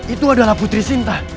itu adalah putri sinta